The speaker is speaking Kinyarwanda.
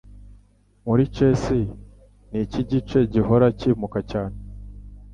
Muri Chess, Niki gice gihora cyimuka cyane?